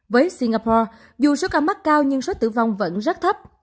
với singapore dù số ca mắc cao nhưng số tử vong vẫn rất thấp